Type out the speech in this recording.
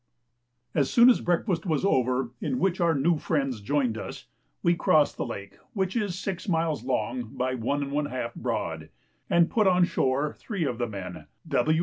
As soon as breakfast was over, in which our new friends joined us, we crossed the lake, which is 6 miles long by 1½ broad, and put on shore three of the men (W.